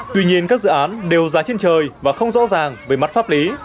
tuy nhiên các dự án đều giá trên trời và không rõ ràng về mặt pháp lý